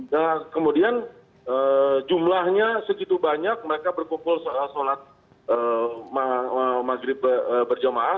nah kemudian jumlahnya segitu banyak mereka berkumpul soal sholat maghrib berjamaah